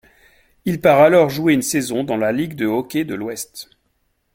Il part alors jouer une saison dans la Ligue de hockey de l'Ouest.